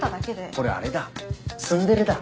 これあれだツンデレだ。